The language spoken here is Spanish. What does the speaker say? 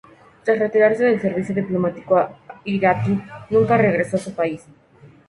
Tras retirarse del servicio diplomático iraquí, nunca regresó a su país.